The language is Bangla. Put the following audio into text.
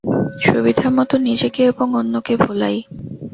সুবিধামত নিজেকে এবং অন্যকে ভোলাই।